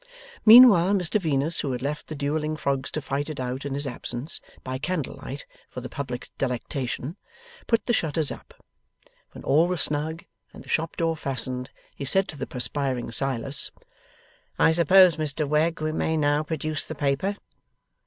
Meanwhile, Mr Venus, who had left the duelling frogs to fight it out in his absence by candlelight for the public delectation, put the shutters up. When all was snug, and the shop door fastened, he said to the perspiring Silas: 'I suppose, Mr Wegg, we may now produce the paper?